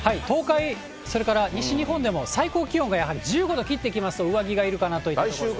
東海、それから西日本でも最高気温がやはり１５度切ってきますと、上着がいるかなと思います。